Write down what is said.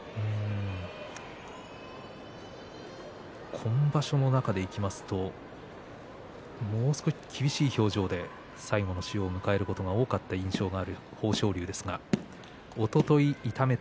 今場所の中でいきますとものすごい厳しい表情で最後の塩を迎えることが多かった印象がある豊昇龍ですがおととい痛めた